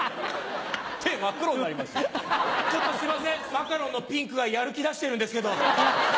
マカロンのピンクがやる気出してるんですけど。